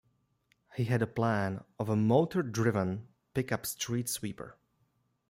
He had a plan of a motor driven pickup street sweeper.